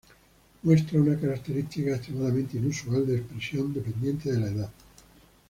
Muestra una característica extremadamente inusual de expresión dependiente de la edad.